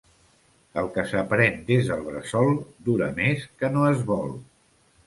El que s'aprèn des del bressol dura més que no es vol.